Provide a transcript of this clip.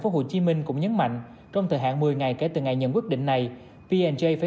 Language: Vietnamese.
công của mình cũng nhấn mạnh trong thời hạn một mươi ngày kể từ ngày nhận quyết định này p j phải